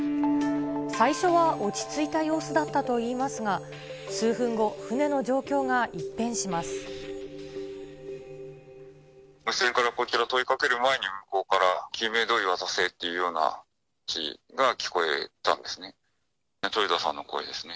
最初は落ち着いた様子だったといいますが、数分後、無線からこちら、問いかける前に向こうから、救命胴衣渡せというような指示が聞こえたんですね。